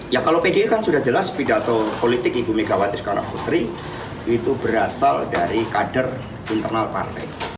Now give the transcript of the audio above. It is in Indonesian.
ya kalau pdi kan sudah jelas pidato politik ibu megawati soekarno putri itu berasal dari kader internal partai